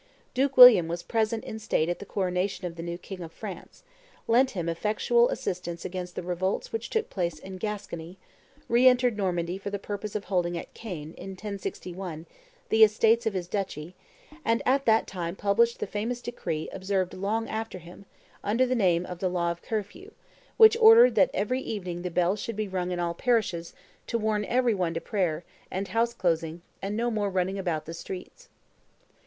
Duke William was present in state at the coronation of the new king of France, lent him effectual assistance against the revolts which took place in Gascony, reentered Normandy for the purpose of holding at Caen, in 1061, the Estates of his duchy, and at that time published the famous decree observed long after him, under the name of the law of curfew, which ordered "that every evening the bell should be rung in all parishes to warn every one to prayer, and house closing, and no more running about the streets."